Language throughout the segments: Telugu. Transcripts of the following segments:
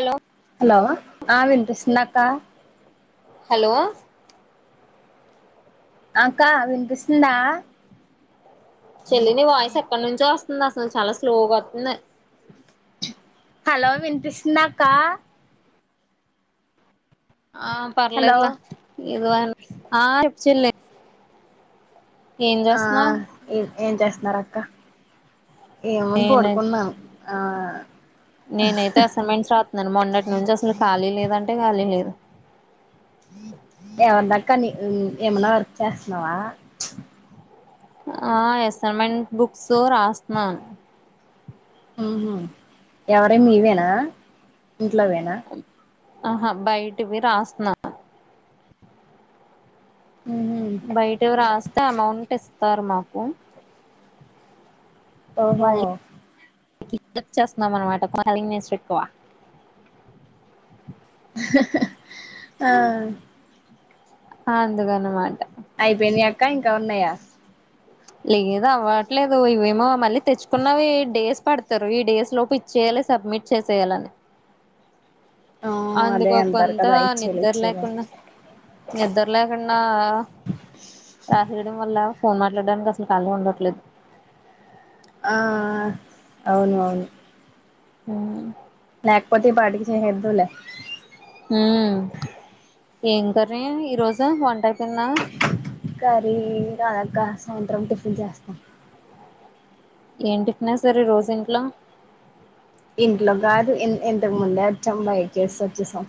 హలో హలో ఆ వినిపిస్తుందా అక్క హలో అక్క వినిపిస్తుందా. చెల్లిని వాయిస్ ఎక్కడి నుంచో వస్తుంది. అసలు చాలా స్లోగా వస్తుంది. హలో వినిపిస్తుందా క్క ఆ హలో పర్లేదు ల ఇదివ ఆ ఇచ్చిందిలే ఆ ఇ ఏం చేస్తున్నారు అక్క ఏమని నేను పడుకున్నాను. ఆ హ హ నన్న మొన్నటి నుంచి అసలు ఖాళీ లేదంటే ఖాళీ లేదు. ఎవన్నాకాని ఏమన్నా వర్క్ చేస్తున్నావా. ఆ అసైన్మెంట్ బుక్స్ రాస్తున్నాను. ఉ హు ఎవర మీవేనా ఇంట్లావేన ఆహా బయటివి రాస్తున్నా. ఉహు బయటవి రాస్తే అమౌంట్ ఇస్త ఇస్తారమాకు ఓ హో హెప్ చేస్తుాం అనమాట కొ కస్ ఎక్కువ. ఆహ అ ఆ అందుగానుమా ఇంకా ఇంకా ఉన్నాయా లేదు అవ్వట్లేదు ఇవేమో మళ్ళీ తెచ్చుకున్న డేస్ పడతారు. ఈ డేస్ లోపు ఇచ్చేయాలి సబ్మిట్ చేసేయాలని ఆ అదే అందుకు అంటారు కొంత కదా ఇచ్చేలే నిద్ర ఇచ్చేలే లేకుండా నిద్ర లేకుండా రాత్రిడం వళ్ళ ఫోన్ మాట్లాడడానికి అసలు ఖాళీ ఉండట్లేదు. ఆ అవును అవును హ [unintelligible] లేకపోతే ఈ పాటికి చెహేద్దువులే ఉమ్ ఏం కర్రీ ఈరోజు వన్టై పొ కరి నక్క సాయంత్రం టిఫిన్ చేస్తాం. ఏంటిఫిన సార్ ఈ రోజు ఇంట్లో ఇంట్లో కాదు ఎంతకు ముందే వచ్చం బయటచేసి వచ్చేసాం.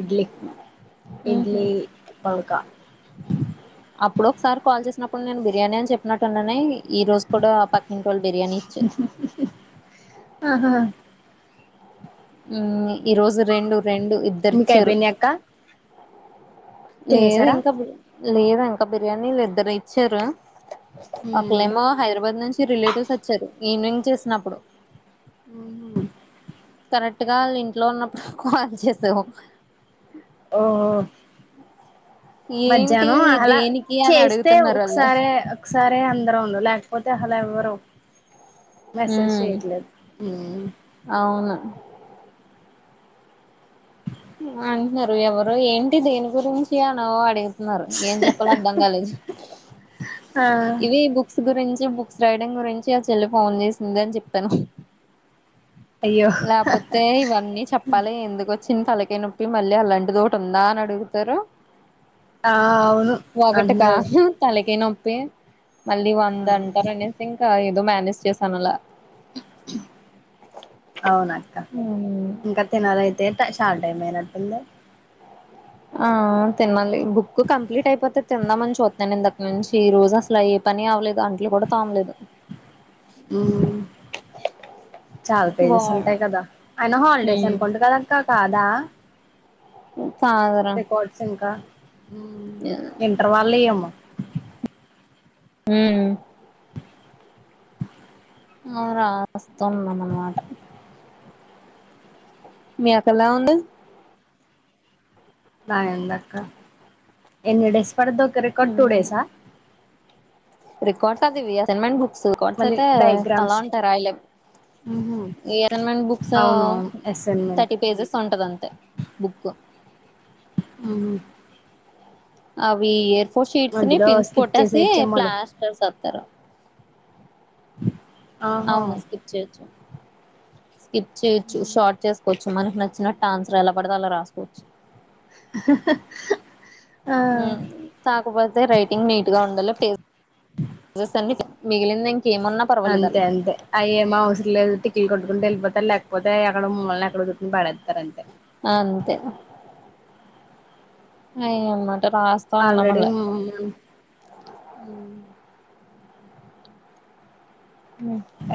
ఇడ్లీ ఉహు ఇడ్లీ బాంకా [inaudible] అప్పుడు ఒకసారి కాల్ చేసినప్పుడు నేను బిర్యానీ అని చెప్పినట్టున్నానే. ఈ రోజు కూడా పక్కింటోలు బిర్యానీ ఇచ్చారు ఆహా మ్మ్ ఈ రోజు రెండు రెండు ఇద్దరు మీకు ఇచ్చారు అయిపోయింది అక్క లేదు తినేసారా ఇంకా లేదా ఇంకా బిర్యానీలు ఇద్దరు ఇచ్చారు ఒకలేమో హైదరాబాద్ నుంచి రిలేటివ్స్ వచ్చారు ఈవెనింగ్ చేసినప్పుడు హ్మ్ హు కరెక్ట్గా వాళ్ళు ఇంట్లో ఉన్నప్పుడు కాల్ చేసావు ఓ ఓ ఏంటి మధ్యాహ్నం అలా దేనికి అని చేస్తే అడుగుతున్నారు వాళ్ళు ఒకసారి ఒకసారి రే అందర ఉండ లేకపోతే అసలు ఎవరు మెసేజ్ ఉమ్ చెయ్యట్లేదు అవును అంటున్నారు ఎవరు ఏంటి దేని గురించి అన ఓ అడి ఏం చెప్పలో అర్థం కాలేదు ఆ ఇవి ఈ బుక్స్ గురించి చే బుక్స్ రైడింగ్ గురించి ఆ చెల్లి ఫోన్ చేసింది అని చెప్పాను అయ్యో లేకపోతే ఇవన్నీ చెప్పాలి ఎందుకు వచ్ చింతలకే నొప్పి మళ్ళీ అలాంటిదో ఒకటి ఉందా అని అడుగుతారు ఆ అవును అన్నారు పే మళ్ళీ వంద అంటారు అనేసి ఇంకా ఎల్ ఎదో మేనేజ్ చేశాను అలా అవునక్క ఇంకతే నాదైతే [unintelligible] చాల్ టైమేనాటుంది ఆ తినాలి బుక్ కంప్లీట్ అయిపోతే తిందామని చూత్తన్నాను ఇందకాట్ నుంచి ఈ రోజు అసల ఏ పని అవలేదు అంట్లు కూడా తోమలేదు మ్మ్ చాలా వా పేజెస్ ఉంటాయి కదా అయన హాలిడేస్ హ్మ్ అనుకుంటా కదాక కా దా కాదురా రికార్డ్స్ ఇంకా మ్మ్ ఇంటర్ వాల్లియేమో మ్మ్ ఆ రాస్తా అన్నామాట మీ అక్క ఎలా ఉంది బానే ఉందక్కా ఎన్ని డేస్ పడుదక్కా రికార్డ్ ట్టుడేసా రికార్డ్స్ సదివి అసైన్మెంట్ బుక్ ర్డుసూ మళ్ళీ అయితే చాలా డయాగ్రామ్స్ ఉంటాయి రాయలేము. ఉహు ఈ అసైన్‌మెంట్ బుక్స్ అవునవును అసైన్మెంట్ థర్టీ పేజెస్ ఉంటది అంతే బుక్ మ్మ్ అవి ఫోర్ షీట్స్ ని మధ్యలో పిన్స్ స్కిప్ కొట్టేసి చేసేయచ్చేమోలే ప్లాస్టర్స్ ఎత్తారు ఆహా అవును స్కిప్ చెయ్యొచ్చు స్కిప్ షార్ట్ చేసుకోవచ్చు మనకి నచ్చినట్టు ఆన్సర్ ఎలా పడదుో అలా రాసుకోవచ్చు ఆ మ్మ్ కాకపోతే రైటింగ్ నీట్ గా ఉండాలి ఇంగ్ [unintelligible] అన్ని మిగిలిందం అంతే అంతే అయ్యేం అవుస్గిల్ లేదు తిక్కిల్ [unintelligible] [unintelligible] వెళ్ళితారు లేకపోతే అక్కడ మమ్మల్ని ఎక్కడ కూట్కుని పడతారంతే అ అంతే అయ్యో మా ఆల్రెడి మా మామ్ మ్మ్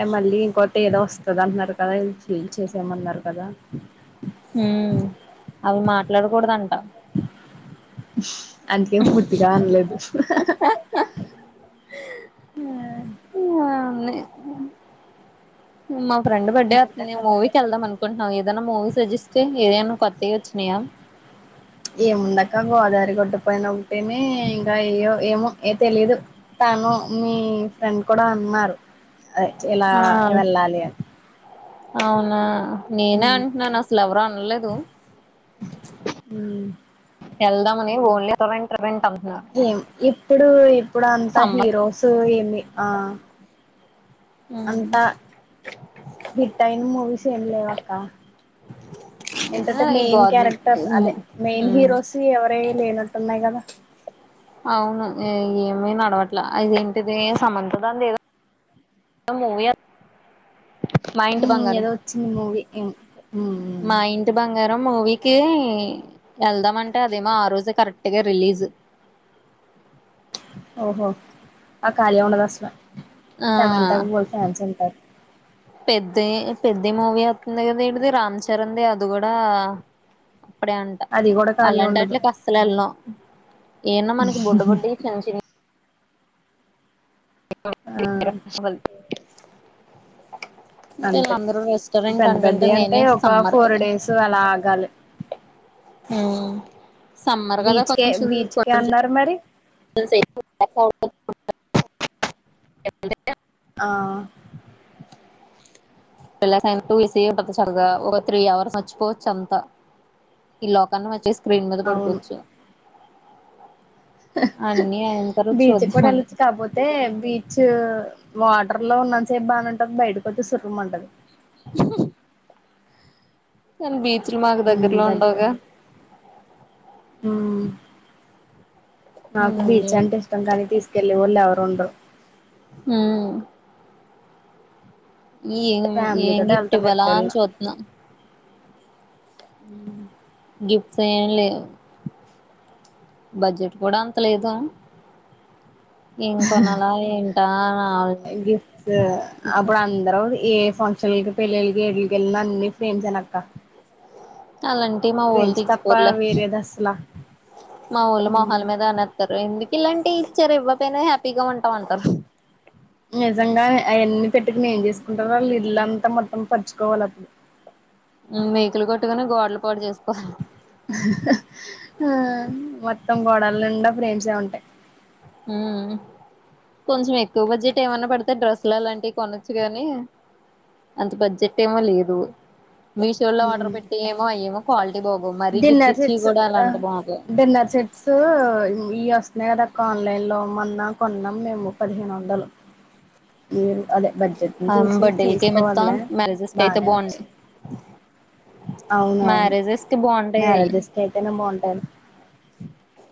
ఏ మలి ఇంకో ఏదో వస్తది అంటున్నారు కదా ఇ ఫీల్ చేసామన్నారు కదా ఉమ్, అవి మాట్లాడకూడదంట అందుకే పూర్తిగా అన్లేదు మాక్ ఫ్రెండ్ బర్డే వతుంది ఇంకేంటక్క మూవీకి వెళ్దాం అనుకుంటన్నా ఏదన్నా మూవీ సజెస్ట్ ఏదైనా కొత్తవి వచ్చినయా ఏముందక గోదారి గడ్డుపోయిన ఉంటేనే ఇంకా ఏయ్యో ఏమో ఏ తెలిదు తను మీ ఫ్రెండ్ కూడా అన్నారు అచేలా ఆ వెళ్ళాలి అవునా నేనే మ్మ్ అంట్న్నాను అసలు ఎవరు అనలేదు మ్మ్ ఎల్దామని ఓన్లీ రిఫరెంట్ రిఫరెంట్ అని ఎం ఏప్ ఇప్పుడు ఇప్పుడు అంతా సమ్మర్ హీరోస్ ఏమి ఆ అంతా హిట్ అయిన మూవీస్ ఏం లేవ్ అక్క. ఏంటంటే ఈ మెయిన్ క్యారెక్టర్స్ అదే గవర్నమెంట్ మెయిన్ హీరోస్ ఎవరే లేనట్టున్నాయి కదా అవును ఏమీ నడవట్ల అదేంటిది సమంత దాన్దేదో మూవీ అద్ మ్మ్ ఎదో వచ్చింది మూవీ ఇంత మా ఇంటి బంగారం మూవీకి వెళ్దామంటే అదేమో ఆ రోజు కరెక్ట్ గా రిలీజ్ ఓహో ఆ కళ ఉండదు అసలు ఆ సమంతాకు బోల్ ఫ్యాన్స్ ఉంటారు పెద్ది పెద్ది మూవీ వత్తుంది కదా ఏది రామ్ చరణ్ ది అది కూడా అప్పుడే అంట అది కూడా ఖాళీ అలాంటి ఉండదు అట్లకి అస్సల్ వెళ్ళమ్ ఏందో మనకి బుడ్డ బుడ్డయి చిన్న చిన్న ఆ చిన్న అంతే వీళ్ళందరూ రెస్టారెంట్ పెద్ద అంటుంటే పెద్దయంటే నేనే ఒక సమ్మర్ ఫోర్ కదా డేస్ అలా ఆగా హుమ్ సమ్మర్ కదా బీచ్కే కొంచెం బీచ్ కే కొంచెం అన్నారు మరి సేపు ఉండకపో ఎ ఆ పలస్ అయన టూ ఇసీ ఉంటది చరగా ఒక త్రీ అవర్స్ మర్చ్చిపోవచ్చు అంతా ఈ లోకాన్ని వచ్చిసి స్క్రీన్ మీద అవును పడుకోవచ్చు అన్ని అయిన తర్వాత బీచ్ కూడా చూద్దామని వెళ్లచ్చు కాపోతే బీచ్ వాటర్ లో ఉన్నంత సేపు బానేంటది బయటకి వస్తే సురూమ్ అంటది ఉమ్ బీ మాకు మ్మ్ దగ్గరలో ఉండవు గా ఆ మాకు బీచ్ అంటే ఇష్టం కానీ తీసుకెల్లే వాళ్ళు ఎవరు రెండు హూమ్ ఈ ఫ్యామిలీ ఏం గిఫ్ట్ ఇవ్వాల అని చూతున్నా ఉ గిఫ్ట్స్ ఏమి లేవు బడ్జెట్ కూడా అంత లేదు ఏం కొనాలా ఏంటా అని గిఫ్ట్స్ అప్పుడు అందరు ఏ ఫంక్షన్లకి పెళ్లళ్లకి ఎక్కడకి వెళ్ళినా అన్ని ఫ్రెండ్స్ అన అక్క అలాంటి మా ఊళ్ళు తీసుకోర్లే వేరేది అసలా మా ఊళ్ళు మొహాళ మీద అనేత్తారు ఎందుకు ఇలాంటి ఇచ్చారు ఇవ్వక పోయినా హ్యాపీగా ఉంటాం అంటారు నిజంగా అవన్నీ పెట్టుకుని ఏం చేసుకుంటారు వాళ్ళు ఇల్లంతా మొత్తం పరుచుకోవాలి అప్పుడు మేకలు కొట్టుకని గోడలు పడి చేస్తా ఆ మొత్తం గోడల నిండా ఫ్రేమ్స్ ఏ ఉంటాయి కొంచెం ఎక్కువ బడ్జెట్ ఏమనా పడితే, డ్రెస్సులు అలాంటివి కొనొచ్చు కానీ, అంత బడ్జెట్ ఏమో లేదు. మీషోలో ఆర్డర్ పెట్టియ్యోమో క్వాలిటీ బాగోవు మరీ గిఫ్ట్ డిన్నర్ ఇచ్చి సెట్స్ కూడా అలాంటి బాగోవు డిన్నర్ సెట్స్ ఈ వస్తు నెగదాక్క ఆన్లైన్లో మన్న కొన్నాం మేము పదిహేను వందలు ఏ అదే బడ్ బర్త్డేలకు ఏమి ఇస్తాం మ్యారేజెస్ క అయితే బానే బాగుంటాయి వచ్చింది అవునవును మ్యారేజెస్ కి బాగుంటాయి అయి మ్యారేజ్జస్ట్ అయితేనే బాగుంటాారు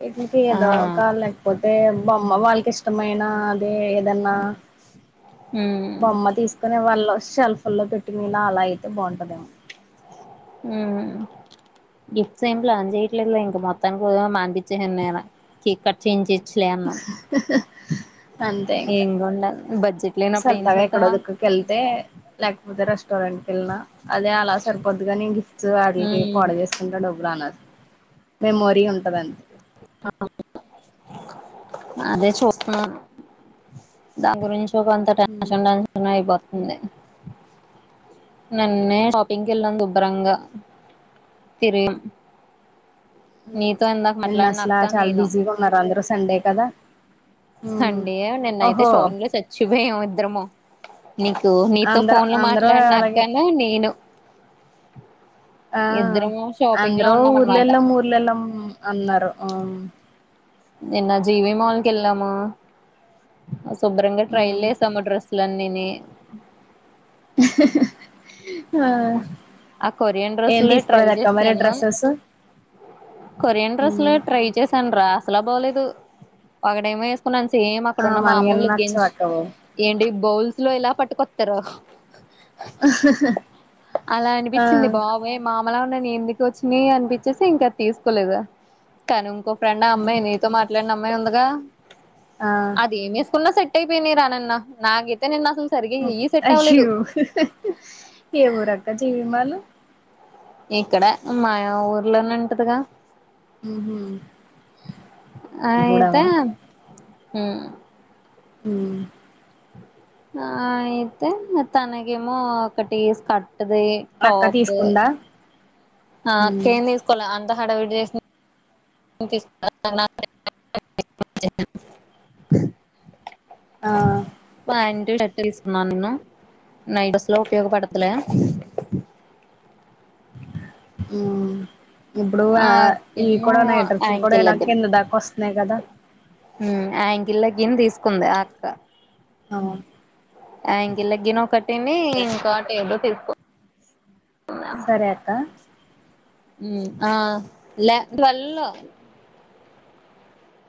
వట్కి ఏదో ఆ కాాల లేకపోతే అే బామ్మ వాళ్ళకి ఇష్టమైన ఏదన్నా ఉమ్ బొమ్మ తీసుకొన వాళ్ళ షెల్ఫ్ లో పెట్టి మీళ అలా అయి అ బాగుంటుందమ్ గిఫ్ట్స్ ఏం ప్లాన్ చేయట్లేదు ఇంక మొత్తానికి మానిపించేను నేను కేక్ కట్ చేయించి ఉమ్ హా హా అంతే ఇంకా ఏంగుండదు బడ్జెట్ లేనప్పుడు ఏం సరదాగా ఎక్కడో చేస్తావా దక్కకి వెళ్తే లేకపోతే రెస్టారెంట్కి వెళ్ళిన అదే అలా సరిపోద్గా నేను గిఫ్ట్స్ వాటికి ఆర్డర్ చేసుకుంటా డబ్బులు రాన్నారు మెమోరీ ఉంటదండి అదే చూస్తున్నాను దాంగరం స అంత టెన్షన్ హ్మ్. టెన్షన్ అయిపో నన్నే షాపింగ్కి వెళ్ళడం దుభరంగా తిరిగినం నీతో ఎందాక నిన్న మాట్లాడి నాకు అసలా చాలా బిజీగా ఉన్నారు అందరుూ సండే కదా ఉమ్ అండి నిన్నయితే ఓహో షోరూ లో చచ్చిపోయాము ఇద్దరము నీకు నీతో అందరు ఫోన్ లో అందర మాట్లాడిన అలాగే అక్కను నేను ఆ ఇద్దరము షాపింగ్ లో అందరు ఉన్నాం అనమాట ఊర్లెళ్ళం ఊర్లెళ్ళం అన్నారు ఆ ఎన్న జీవి మాల్కిళ్లమా శుభ్రంగా ట్రైల్ ఉమ్ చేసాము డ్రెస్లన్నీని ఆ ఆ కొరియన్ ఏం డ్రెస్సులు ట్రై తీసుకోలేదక్క మరి చేసాను డ్రెస్సెస్ కొరియన్ డ్రెస్సులు ఉమ్ ట్రై చేశాను రా బాాలలేదు పగడైమ న్నా ఏం అక్కడ ఆ ఉన్న మా మనకేం మామూలు గెంజి నచ్చవక్క బాబు ఏంటి బౌల్స్ లో ఎలా పట్టుకొస్తారు అలా ఆ అనిపించింది బావే మా లా ఉన్నా ఎందుకు వచ్చిన అనిపించేసి ఇంకా తీసుకోలేదు కానీ ఇంకో ఫ్రెం అమ్యి నీతో మాట్లాడ అమ్మాయి ఉందిగా ఆ అది మీ స్కూల్ లో సట్ ఏ పిన్ని రా నన్న నగితే నిన్ అస్సల్ అయ్యో ఏము రక్క జవిమాలు ఇక్కడ మా ఊర్లోనే ఉంటదిగా హ్మ్ హు గూడవా హ్మ్ హ్మ్ ఆ అయితే తనగేమో ఒకటి స్కట్ అదే అక్క టాపు తీసుకుందా ఆ ఉమ్ చెందేసుకోవాళ్ళ అంతా ఆడ ఒక్కటి డేస్ [inaudible] ఆ పన్ టిల్ టెట్టు తీసుకున్నాను నై డ్రెస్సులో ఉపయోగపడతలే మ్మ్ ఇప్పుడు ఆ ఇవి కూడా నైడ్రెస్ లు కూడా యాంకిల్ ఎలా లెగ్గిన్ కింద దాకా వస్తున్నాయి కదా కిలెగ్గిన్ తీసుకుంది ఆ అక్క అవును యాంకిల్ లెగ్గిను ఒకటిని ఇంకోటి ఏదో ఫి సరే అక్క [inaudible] మ్ ఆ లే ట్యూవలో